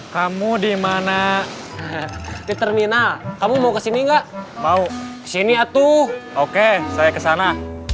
kamu dimana di terminal kamu mau kesini enggak mau sini atuh oke saya kesana